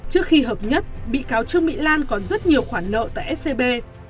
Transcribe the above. trước khi hợp nhất bị cáo trương mỹ lan còn rất nhiều khoản nợ tại scb